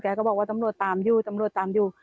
ก็บอกว่าตำรวจตามอยู่ตำรวจตามอยู่